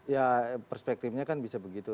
ya perspektifnya kan bisa begitu